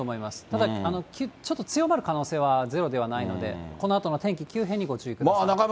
ただ、ちょっと強まる可能性はゼロではないので、このあとの天気急変にご注意ください。